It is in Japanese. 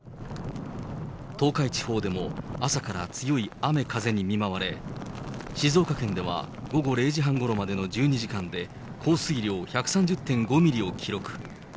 東海地方でも朝から強い雨風に見舞われ、静岡県では午後０時半ごろまでの１２時間で、降水量１３０．５ミリを記録。